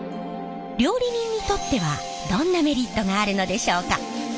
料理人にとってはどんなメリットがあるのでしょうか？